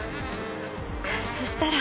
そしたら。